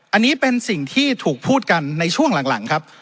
อันนี้เป็นสิ่งที่ถูกพูดกันในช่วงหลังครับ